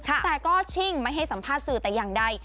แต่ก็ชิ่งไม่ให้สัมภาษณ์สื่อแต่อย่างใด